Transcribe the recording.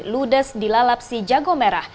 ludes di lalapsi jagomera